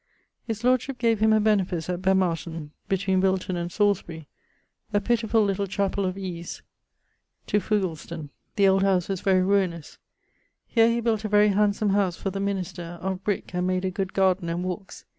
His lordship gave him a benefice at Bemmarton[LXXXII.] (between Wilton and Salisbury), a pittifull little chappell of ease to Foughelston. The old house was very ruinous. Here he built a very handsome howse for the minister, of brick, and made a good garden and walkes.